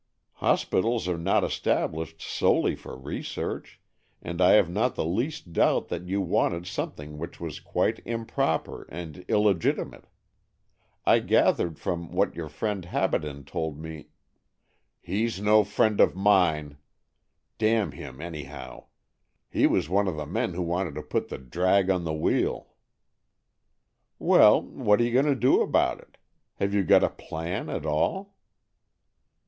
Hospitals are not established solely for research, and I have not the least doubt that you wanted something which was quite improper and illegitimate. I gathered from what your friend Habaden told me "" He's no friend of mine. Damn him, anyhow. He was one of the men who wanted to put the drag on the wheel." " Well, what are you going to do about it? Have you got a plan at all?